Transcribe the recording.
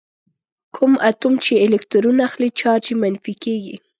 کوم اتوم چې الکترون اخلي چارج یې منفي کیږي.